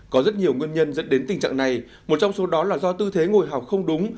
có rất nhiều nguyên nhân dẫn đến tình trạng này một trong số đó là do tư thế ngồi học không đúng